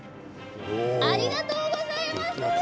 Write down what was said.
ありがとうございます。